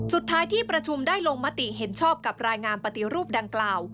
สุดท้ายที่ประชุมได้ลงมติเห็นชอบกับรายงานปฏิรูปดังกล่าว